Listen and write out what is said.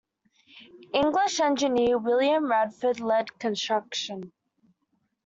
English engineer William Radford led construction.